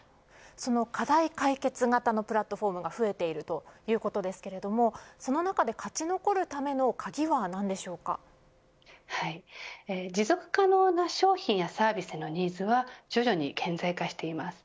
その課題解決型のプラットフォームが増えているということですがその中で勝ち残るための持続可能な商品やサービスのニーズは徐々に顕在化しています。